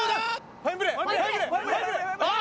ファインプレー？